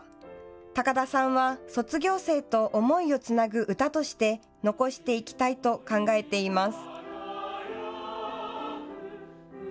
高田さんは卒業生と思いをつなぐ歌として残していきたいと考えています。